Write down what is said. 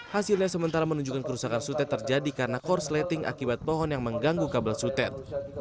hasilnya sementara menunjukkan kerusakan sutet terjadi karena korsleting akibat pohon yang mengganggu kabel sutet